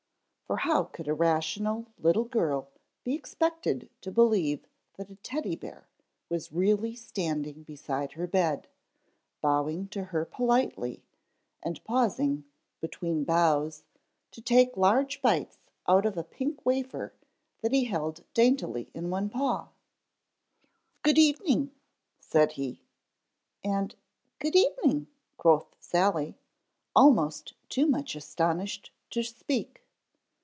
For how could a rational little girl be expected to believe that a Teddy bear was really standing beside her bed, bowing to her politely and pausing, between bows, to take large bites out of a pink wafer that he held daintily in one paw? "Good evening," said he; and "Good evening," quoth Sally, almost too much astonished to speak.